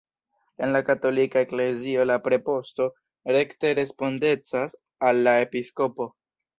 En la katolika eklezio la preposto rekte respondecas al la episkopo.